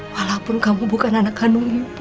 walaupun kamu bukan anak kandung